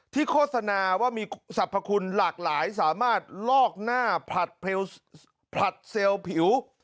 โฆษณาว่ามีสรรพคุณหลากหลายสามารถลอกหน้าผลัดเซลล์ผิว